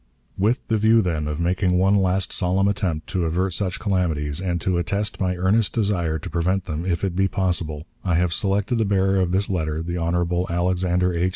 "With the view, then, of making one last solemn attempt to avert such calamities, and to attest my earnest desire to prevent them, if it be possible, I have selected the bearer of this letter, the Hon. Alexander H.